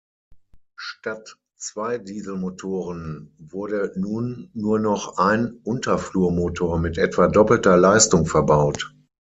Statt zwei Dieselmotoren wurde nun nur noch ein Unterflurmotor mit etwa doppelter Leistung verbaut.